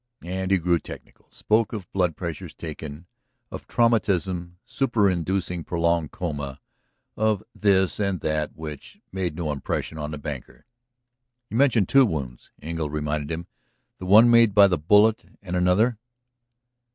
And he grew technical, spoke of blood pressures taken, of traumatism superinducing prolonged coma, of this and that which made no impression on the banker. "You mentioned two wounds," Engle reminded him. "The one made by the bullet and another.